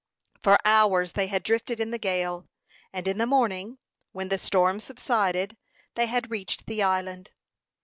For hours they had drifted in the gale, and in the morning, when the storm subsided, they had reached the island.